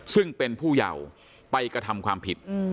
ซึ่งเป็นผู้เยาว์ไปกระทำความผิด